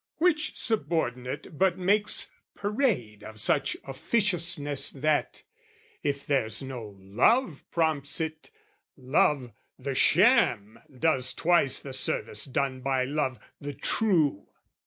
Which subordinate But makes parade of such officiousness That, if there's no love prompts it, love, the sham, Does twice the service done by love, the true.